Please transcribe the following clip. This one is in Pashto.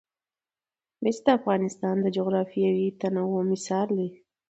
مس د افغانستان د جغرافیوي تنوع مثال دی.